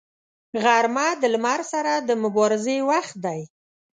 غرمه د لمر سره د مبارزې وخت دی